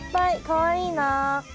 かわいいなあ。